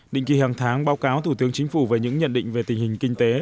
định kỳ hàng tháng báo cáo thủ tướng chính phủ về những nhận định về tình hình kinh tế